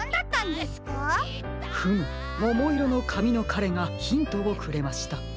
フムももいろのかみのかれがヒントをくれました。